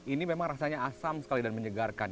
ini memang rasanya asam sekali dan menyegarkan